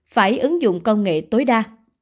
phải ứng dụng công nghệ tối đa